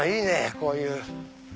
こういう。